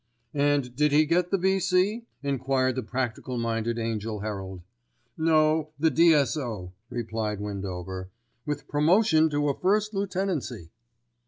"And did he get the V.C.?" enquired the practical minded Angell Herald. "No, the D.S.O.," replied Windover, "with promotion to a first lieutenancy."